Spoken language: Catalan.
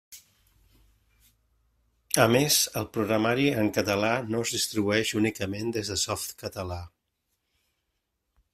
A més, el programari en català no es distribueix únicament des de Softcatalà.